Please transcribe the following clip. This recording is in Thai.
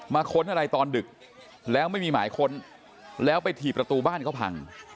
ค้นอะไรตอนดึกแล้วไม่มีหมายค้นแล้วไปถี่ประตูบ้านเขาพัง